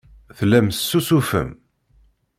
Tellam tessusufem.